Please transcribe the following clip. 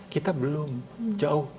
kita belum jauh